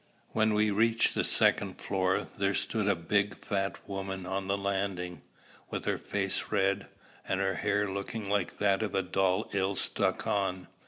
When we reached the second floor, there stood a big fat woman on the landing, with her face red, and her hair looking like that of a doll ill stuck on.